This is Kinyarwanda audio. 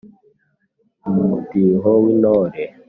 mu mudiho w’intore